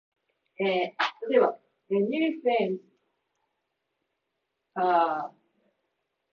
あなたの名前を教えてくれませんか